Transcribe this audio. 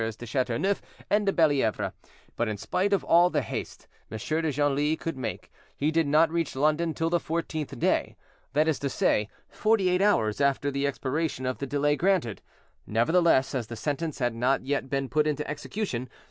de Chateauneuf and de Bellievre; but in spite of all the haste M. de Genlis could make, he did not reach London till the fourteenth day—that is to say, forty eight hours after the expiration of the delay granted; nevertheless, as the sentence had not yet been put into execution, MM.